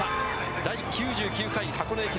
第９９回箱根駅伝。